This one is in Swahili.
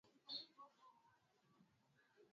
malkia elizabeth alikuwa na miaka mia moja na moja